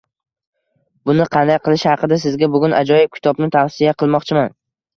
Buni qanday qilish haqida sizga bugun ajoyib kitobni tavsiya qilmoqchiman.